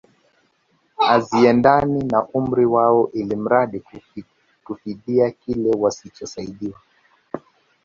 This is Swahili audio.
Haziendani na umri wao ilmradi kufidia kile walichosaidiwa